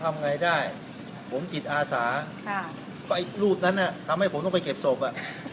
ทำไงได้ผมจิตอาสาค่ะไอ้รูปนั้นน่ะทำให้ผมต้องไปเก็บศพอ่ะ